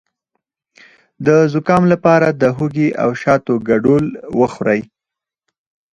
د زکام لپاره د هوږې او شاتو ګډول وخورئ